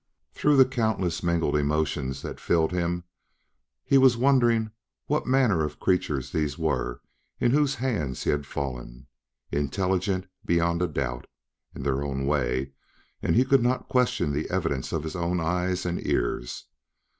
Through the countless mingled emotions that filled him he was wondering what manner of creatures these were into whose hands he had fallen. Intelligent, beyond a doubt, in their own way; he could not question the evidence of his own eyes and ears.